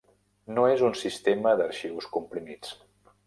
No és un sistema d'arxius comprimits.